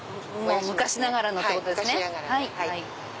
昔ながらのってことですね。